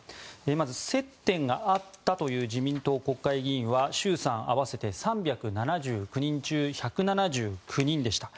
まず接点があったという自民党国会議員は衆参合わせて３７９人中１７９人でした。